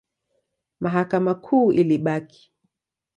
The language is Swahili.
Mahakama Kuu ilibaki.